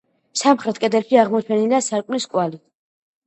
სამხრეთ კედელში აღმოჩენილია სარკმლის კვალი.